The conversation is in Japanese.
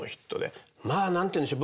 まあ何て言うんでしょう